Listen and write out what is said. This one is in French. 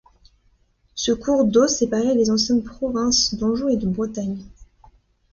Ce cours d'eau séparait les anciennes provinces d'Anjou et de Bretagne.